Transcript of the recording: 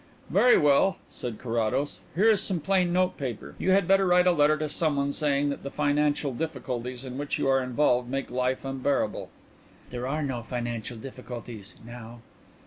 "Very well," said Carrados. "Here is some plain notepaper. You had better write a letter to someone saying that the financial difficulties in which you are involved make life unbearable." "But there are no financial difficulties now."